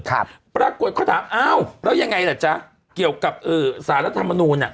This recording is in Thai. ปรากฏเขาถามอ้าวแล้วยังไงล่ะจ๊ะเกี่ยวกับเอ่อสารรัฐมนูลอ่ะ